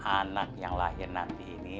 anak yang lahir nanti ini